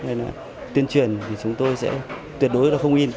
nên là tuyên truyền thì chúng tôi sẽ tuyệt đối là không in